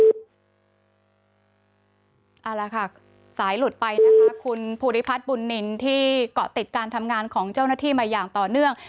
เอาละค่ะสายหลุดไปนะคะคุณภูริพัฒน์บุญนินที่เกาะติดการทำงานของเจ้าหน้าที่มาอย่างต่อเนื่อง